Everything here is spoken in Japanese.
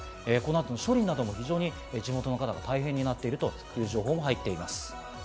処理なども、非常に地元の方が大変になっているという情報も入っています。